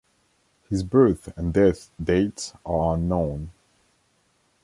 His birth and death dates are unknown.